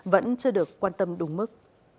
vẫn chưa được quan tâm đúng mức